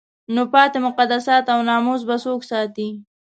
نو پاتې مقدسات او ناموس به څوک ساتي؟